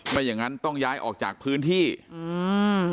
อย่างงั้นต้องย้ายออกจากพื้นที่อืม